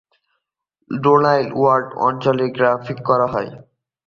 Donau-Wald অঞ্চলে graphing করা হয়